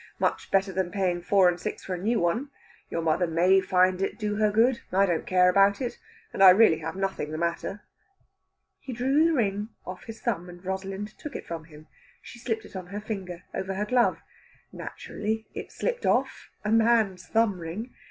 Much better than paying four and six for a new one. Your mother may find it do her good. I don't care about it, and I really have nothing the matter." He drew the ring off his thumb, and Rosalind took it from him. She slipped it on her finger, over her glove. Naturally it slipped off a man's thumb ring!